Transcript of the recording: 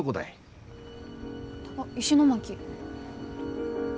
あっ石巻。